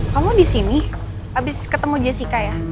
kamu di sini habis ketemu jessica ya